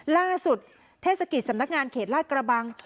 เทศกิจสำนักงานเขตลาดกระบัง